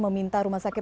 meminta rumah sakit